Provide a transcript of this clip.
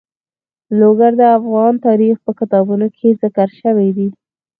لوگر د افغان تاریخ په کتابونو کې ذکر شوی دي.